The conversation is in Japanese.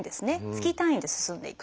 月単位で進んでいくと。